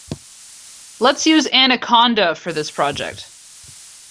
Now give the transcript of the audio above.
Let's use Anaconda for this project.